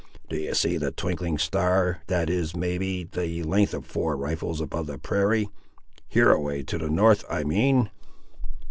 "Do you see the twinkling star, that is, may be, the length of four rifles above the prairie; hereaway, to the North I mean?"